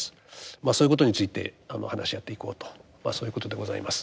まあそういうことについて話し合っていこうとまあそういうことでございます。